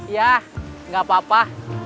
ya gak apa apa